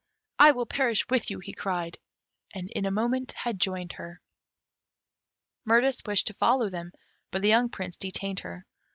"I will perish with you," he cried, and in a moment had joined her. Mirtis wished to follow them, but the young Prince detained her.